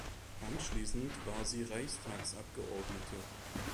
Anschließend war sie Reichstagsabgeordnete.